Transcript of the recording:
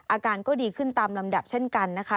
อาการก็ดีขึ้นตามลำดับเช่นกันนะคะ